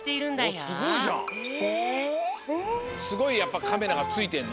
すごいカメラがついてんの？